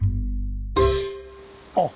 あっ！